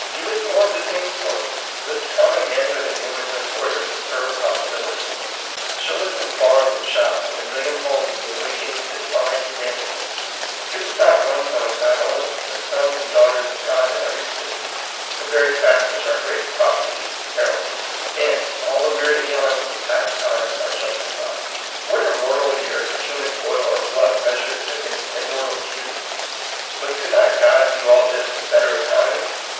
Give us more of the same sort; lift com mon manhood and womanhood toward their superb possibilities; show us in farms and shops and in a million homes the awaken ing of the divine humanity; give us not one Son of God only, but sons and daugh ter of God in every city, the very fact which our great prophecy heralded, — and all the weary aeons of past time are justi fied. What are mortal years or human toil or blood measured against immortal beauty ! But could not God do all this with better economy?